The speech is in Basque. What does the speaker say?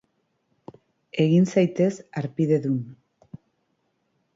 Egin zaitez harpidedun